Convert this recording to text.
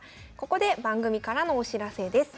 ここで番組からのお知らせです。